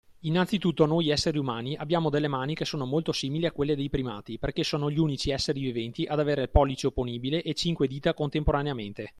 Innanzitutto noi esseri umani abbiamo delle mani che sono molto simili a quelle dei primati perché sono gli unici essere viventi ad avere il pollice opponibile e cinque dita contemporaneamente.